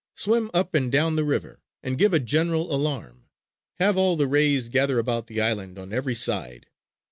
Swim up and down the river, and give a general alarm! Have all the rays gather about the island on every side!